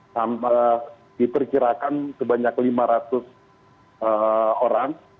sampai diperkirakan sebanyak lima ratus orang